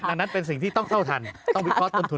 อย่างนั้นเป็นสิ่งที่ต้องเข้าทันกรรมค์โพสต์ต้นทุน